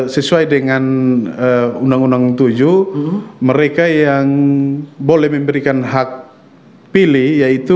sesuai dengan undang undang tujuh mereka yang boleh memberikan hak pilih yaitu